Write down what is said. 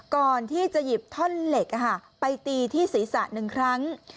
ก่อนที่จะหยิบท่อนเหล็กไปตีที่ศีรษะ๑ครั้ง